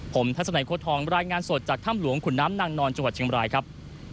ผมทัศนัยโค้ดทองรายงานสดจากถ้ำหลวงขุนน้ำนางนอนจังหวัดเชียงบรายครับ